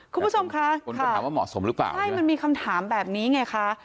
คุณผู้ชมค่ะมีคำถามแบบนี้ไงค่ะ